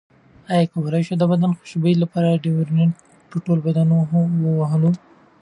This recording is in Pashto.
ایا کولی شو د بدن خوشبویۍ لپاره ډیوډرنټ په ټول بدن ووهلو؟